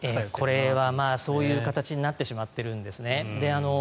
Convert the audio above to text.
これはそういう形になってしまっているんですね。